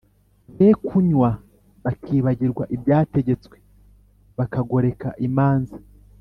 Be kunywa bakibagirwa ibyategetswe, bakagoreka imanza